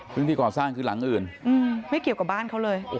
พื้นที่ก่อสร้างคือหลังอื่นไม่เกี่ยวกับบ้านเขาเลย